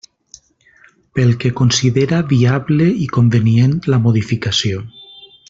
Pel que considera viable i convenient la modificació.